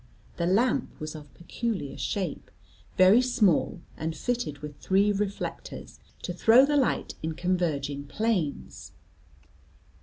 The lamp was of peculiar shape, very small, and fitted with three reflectors, to throw the light in converging planes.